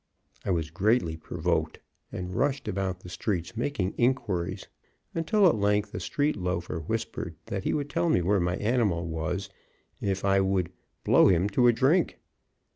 I was greatly provoked, and rushed about the streets, making inquiries until, at length, a street loafer whispered that he would tell me where my animal was, if I "would blow him to a drink."